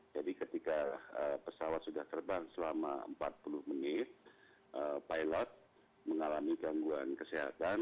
jadi ketika pesawat sudah terbang selama empat puluh menit pilot mengalami gangguan kesehatan